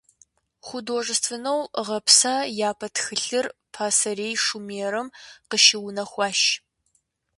Художественнэу гъэпса япэ тхылъыр Пасэрей Шумерым къыщыунэхуащ.